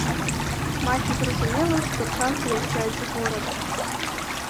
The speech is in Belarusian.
Маці зразумела, што час з'язджаць з горада.